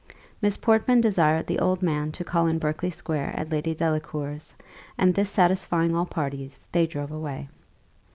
Miss Portman desired the old man to call in Berkley square at Lady Delacour's; and this satisfying all parties, they drove away.